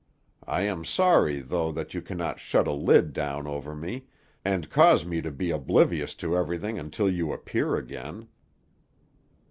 I am sorry, though, that you cannot shut a lid down over me, and cause me to be oblivious to everything until you appear again.